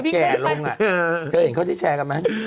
เคยเห็นเค้าที่แชร์กันไหม